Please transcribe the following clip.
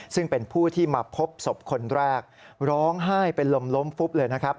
ซึ่งเป็นผู้ที่มาพบศพคนแรกร้องไห้เป็นลมล้มฟุบเลยนะครับ